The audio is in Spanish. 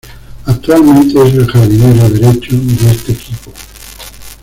Actualmente es el Jardinero derecho de este equipo.